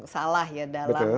salah ya dalam